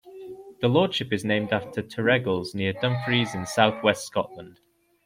The Lordship is named after Terregles, near Dumfries in south west Scotland.